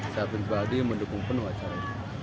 sebenarnya mendukung penuh acara